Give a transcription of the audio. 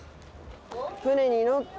船に乗って。